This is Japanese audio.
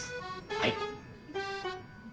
はい。